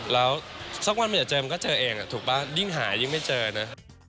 แล้วสักวันมันจะเจอมันก็เจอเองถูกป่ะยิ่งหายิ่งไม่เจอนะ